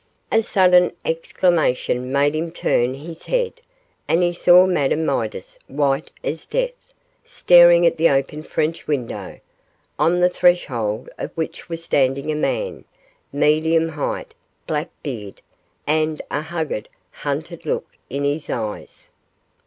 A sudden exclamation made him turn his head, and he saw Madame Midas, white as death, staring at the open French window, on the threshold of which was standing a man medium height, black beard, and a haggard, hunted look in his eyes.